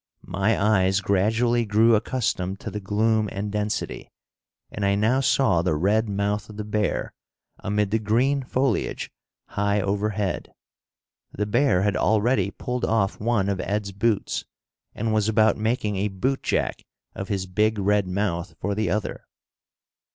My eyes gradually grew accustomed to the gloom and density, and I now saw the red mouth of the bear amid the green foliage high overhead. The bear had already pulled off one of Ed's boots and was about making a bootjack of his big red mouth for the other.